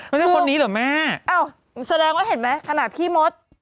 ไม่ใช่คนนี้เหรอแม่แสดงว่าเห็นไหมขนาดพี่มส